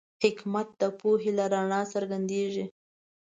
حکمت د پوهې له رڼا څرګندېږي.